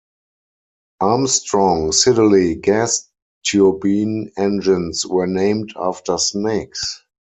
Armstrong Siddeley gas turbine engines were named after snakes.